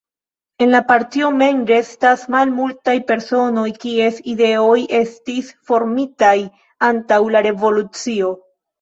En la Partio mem restas malmultaj personoj kies ideoj estis formitaj antaŭ la Revolucio.